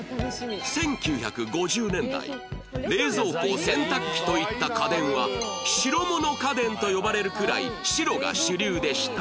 冷蔵庫洗濯機といった家電は白物家電と呼ばれるくらい白が主流でした